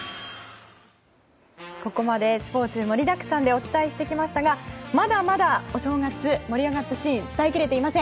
ここまでスポーツ盛りだくさんでお伝えしてきましたがまだまだお正月盛り上がったシーン伝えきれてません。